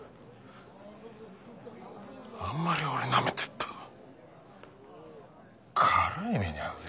あんまり俺なめてっと辛い目に遭うぜ。